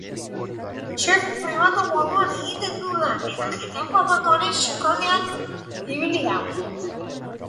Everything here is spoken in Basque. Chef pribatu moduan egiten du lan eta jende famatuaren sukaldeetan ibili da.